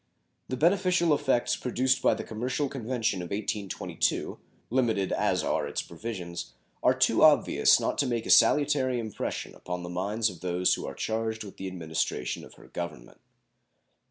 The beneficial effects produced by the commercial convention of 1822, limited as are its provisions, are too obvious not to make a salutary impression upon the minds of those who are charged with the administration of her Government.